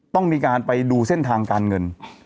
ต้องมีการไปดูเส้นทางการเงิน